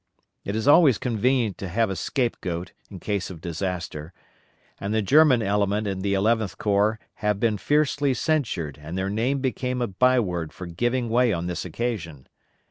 It is always convenient to have a scape goat in case of disaster, and the German element in the Eleventh Corps have been fiercely censured and their name became a byword for giving way on this occasion.